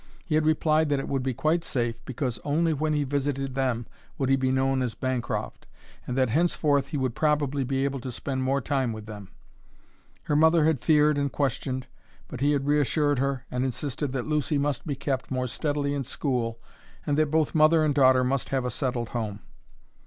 He had replied that it would be quite safe, because only when he visited them would he be known as Bancroft, and that henceforth he would probably be able to spend more time with them. Her mother had feared and questioned, but he had reassured her and insisted that Lucy must be kept more steadily in school and that both mother and daughter must have a settled home.